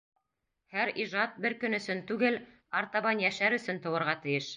Һәр ижад бер көн өсөн түгел, артабан йәшәр өсөн тыуырға тейеш.